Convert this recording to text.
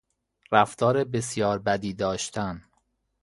رفتار بسیار بدی داشتن